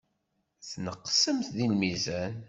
Tneqsemt deg lmizan.